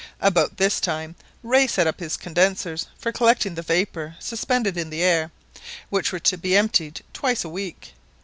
About this time, Rae set up his condensers for collecting the vapour suspended in the air, which were to be emptied twice a week.